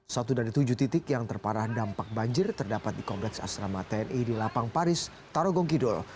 satu dari tujuh titik yang terparah dampak banjir terdapat di kompleks asrama tni di lapang paris tarogong kidul